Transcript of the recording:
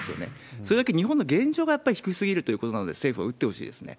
それだけ日本の現状がやっぱり低すぎるということなので、政府はうってほしいですね。